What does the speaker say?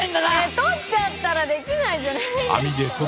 とっちゃったらできないじゃないですか！